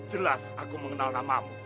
jelas aku mengenal namamu